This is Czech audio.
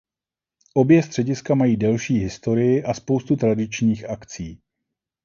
Obě střediska mají delší historii a spoustu tradičních akcí.